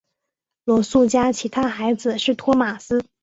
罗素家其他孩子是托马斯。